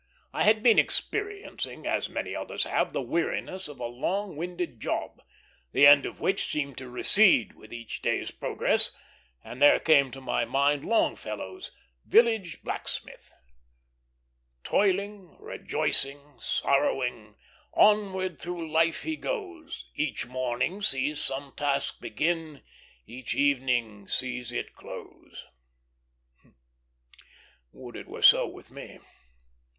I had been experiencing, as many others have, the weariness of a long winded job, the end of which seemed to recede with each day's progress; and there came to my mind Long fellow's "Village Blacksmith:" "Toiling, rejoicing, sorrowing, Onward through life he goes; Each morning sees some task begin, Each evening sees it close." Would it were so with me!